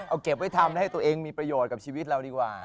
เอาเก็บไว้ทำให้ตัวเองมีประโยชน์กับชีวิตเราดีกว่า